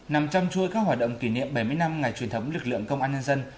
nằm trong chuối các hoạt động kỷ niệm bảy mươi năm ngày truyền thống lực lượng công an nhân dân